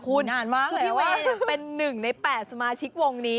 คือพี่เวย์เป็น๑ใน๘สมาชิกวงนี้